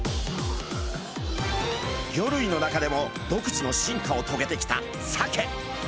魚類の中でも独自の進化をとげてきたサケ。